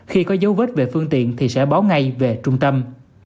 khi có dấu vết về phương tiện thì sẽ báo ngay về trung tâm